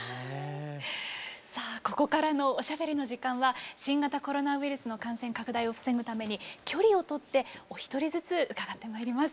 さあここからのおしゃべりの時間は新型コロナウイルスの感染拡大を防ぐために距離をとってお一人ずつ伺ってまいります。